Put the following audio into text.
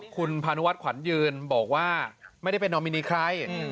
คุณพานุวัฒนขวัญยืนบอกว่าไม่ได้เป็นนอมินีใคร